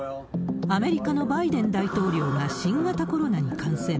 アメリカのバイデン大統領が新型コロナに感染。